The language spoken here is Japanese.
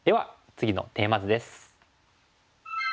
次のテーマ図です。